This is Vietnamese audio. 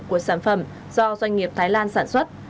của sản phẩm do doanh nghiệp thái lan sản xuất